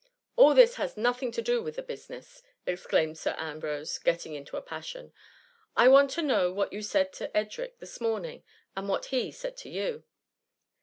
^^ All this has nothing to do with the busi ness," exclaimed Sir Ambrose, getting into a passion. '^ I want to know what you said to Edric this morning, and what he said to you."